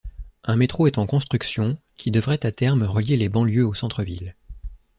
Un métro est en construction, qui devrait à terme relier les banlieues au centre-ville.